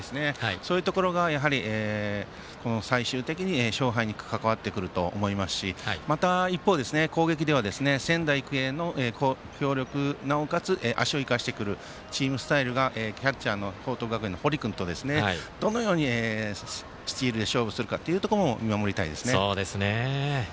そういうところが、やはり最終的に勝敗に関わってくると思いますしまた、一方、攻撃では仙台育英の強力なおかつ足を生かしてくるチームスタイルがキャッチャーの報徳学園の堀君とどのようにスチールで勝負するかも見守りたいですね。